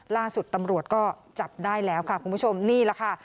ล่าสุดตำรวจก็จับได้แล้วค่ะคุณผู้ชมนี่แหละค่ะ